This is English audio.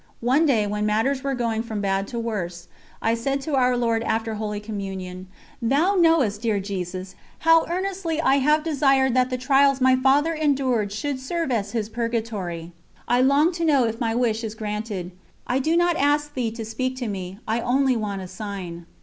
One day, when matters were going from bad to worse, I said to Our Lord after Holy Communion: "Thou knowest, dear Jesus, how earnestly I have desired that the trials my Father endured should serve as his purgatory. I long to know if my wish is granted. I do not ask Thee to speak to me, I only want a sign.